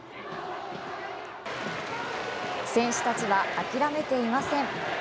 選手たちは諦めていません。